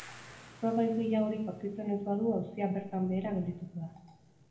Froga gehiagorik aurkitzen ez badu auzia bertan behera geldituko da.